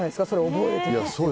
覚えてるって。